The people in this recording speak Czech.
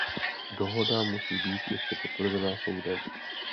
Dohoda musí být ještě potvrzena soudem.